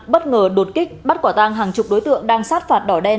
bất ngờ đột kích bắt quả tang hàng chục đối tượng đang sát phạt đỏ đen